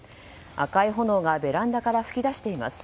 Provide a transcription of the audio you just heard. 赤い炎がベランダから噴き出しています。